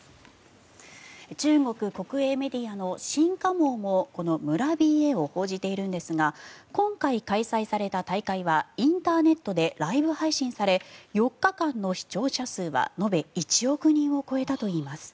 中国国営メディアの新華網もこの村ＢＡを報じているんですが今回開催された大会はインターネットでライブ配信され４日間の視聴者数は延べ１億人を超えたといいます。